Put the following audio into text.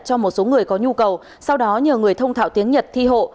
cho một số người có nhu cầu sau đó nhờ người thông thạo tiếng nhật thi hộ